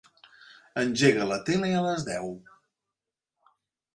Engega la tele a les deu.